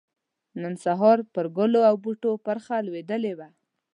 نن سحار پر ګلو او بوټو پرخه لوېدلې وه